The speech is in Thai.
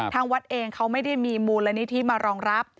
ทางวัดเองเขาไม่ได้มีมูลนิธิมารองรับ